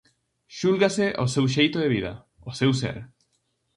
Xúlgase o seu xeito de vida, o seu ser.